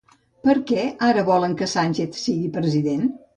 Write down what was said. Per què ara no volen que Sánchez sigui president?